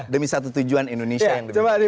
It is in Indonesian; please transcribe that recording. demi satu tujuan indonesia yang lebih baik